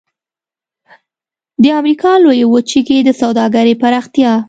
د امریکا لویې وچې کې د سوداګرۍ پراختیا.